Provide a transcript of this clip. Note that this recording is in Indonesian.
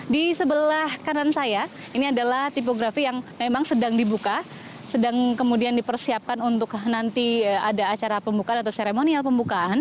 di sebelah kanan saya ini adalah tipografi yang memang sedang dibuka sedang kemudian dipersiapkan untuk nanti ada acara pembukaan atau seremonial pembukaan